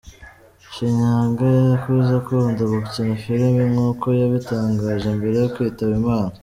Shinyanga yakuze akunda gukina filimi nkuko yabitangaje mbere yo kwitaba Imana.